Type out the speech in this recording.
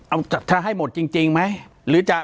ปากกับภาคภูมิ